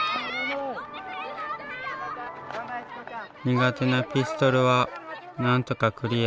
苦手なピストルは何とかクリア。